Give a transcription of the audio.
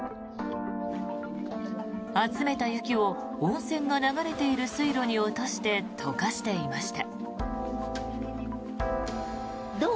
集めた雪を温泉が流れている水路に落として溶かしていました。